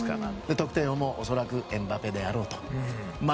得点王は恐らくエムバペであろうと。